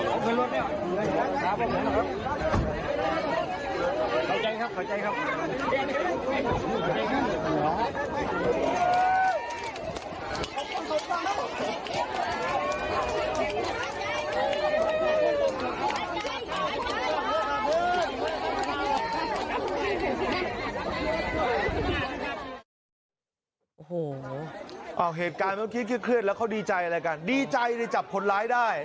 โอ้โหเหตุการณ์มันเครียดเครียดเครียดแล้วเขาดีใจอะไรกันดีใจได้จับคนร้ายได้